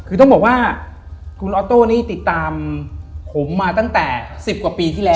คือต้องบอกว่าคุณออโต้นี่ติดตามผมมาตั้งแต่๑๐กว่าปีที่แล้ว